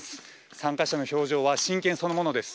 参加者の表情は真剣そのものです。